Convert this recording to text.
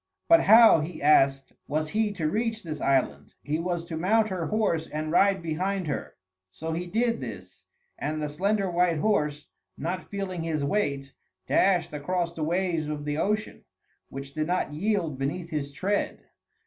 But how, he asked, was he to reach this island? He was to mount her horse and ride behind her. So he did this, and the slender white horse, not feeling his weight, dashed across the waves of the ocean, which did not yield beneath his tread.